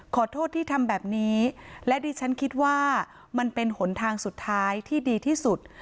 ขอโทษที่ทำแบบนี้และดิฉันคิดว่ามันเป็นหนทางสุดท้ายที่ดีที่สุด